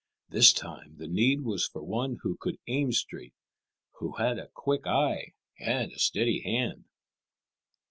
This time the need was for one who could aim straight, who had a quick eye and a steady hand.